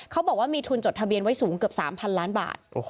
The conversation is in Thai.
เขาบอกว่ามีทุนจดทะเบียนไว้สูงเกือบ๓๐๐ล้านบาท